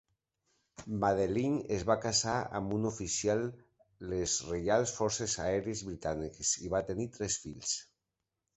Madeleine es va casar amb un oficial de les Reials Forces Aèries Britàniques i va tenir tres fills.